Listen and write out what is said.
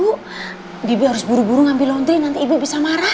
ibu harus buru buru ngambil laundry nanti ibu bisa marah